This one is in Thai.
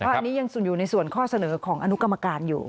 อันนี้ยังอยู่ในส่วนข้อเสนอของอนุกรรมการอยู่